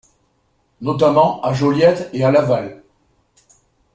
Notamment, à Joliette et à Laval.